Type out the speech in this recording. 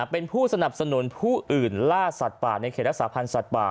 เป็นผู้สนับสนุนผู้อื่นล่าสัตว์ป่าในเขตรักษาพันธ์สัตว์ป่า